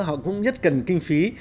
họ cũng rất cần kinh phí